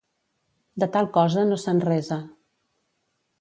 De tal cosa no se'n resa.